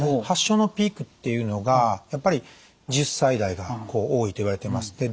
発症のピークっていうのがやっぱり１０歳代が多いといわれています。